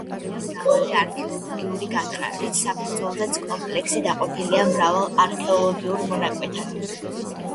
აქ ჩატარებულია მრავალი არქეოლოგიური გათხრა, რის საფუძველზეც, კომპლექსი დაყოფილია მრავალ არქეოლოგიურ მონაკვეთად.